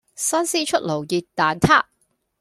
新鮮出爐熱蛋撻